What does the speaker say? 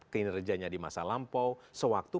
kinerjanya di masa lampau sewaktu